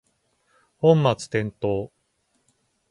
本末転倒